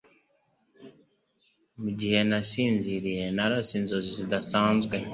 Mugihe nasinziriye, narose inzozi zidasanzwe.